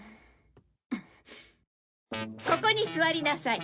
ここに座りなさい。